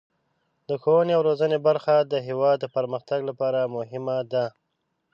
د ښوونې او روزنې برخه د هیواد د پرمختګ لپاره مهمه ده.